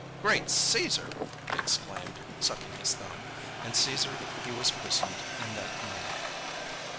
"Great Caesar!" he exclaimed, sucking his thumb, and Caesar he was christened in that moment.